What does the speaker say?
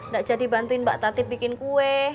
gak jadi bantuin mbak tatip bikin kue